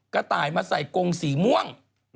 กระต่ายมาใส่กงสีม่วง